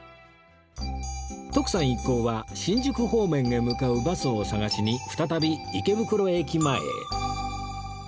徳さん一行は新宿方面へ向かうバスを探しに再び池袋駅前へ